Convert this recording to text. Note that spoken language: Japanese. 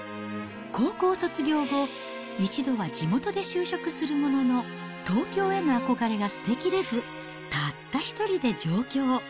高校卒業後、一度は地元で就職するものの、東京への憧れが捨てきれず、たった一人で上京。